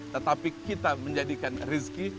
tetapi kita menjadikan rizki